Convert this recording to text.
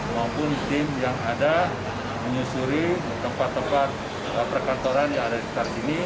maupun tim yang ada menyusuri tempat tempat perkantoran yang ada di sekitar sini